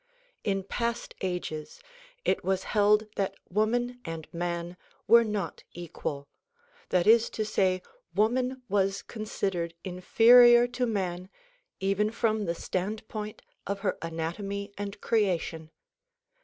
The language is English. In past ages it was held that woman and man were not equal; that is to say, woman was considered inferior to man even from the standpoint of her anatomy and creation.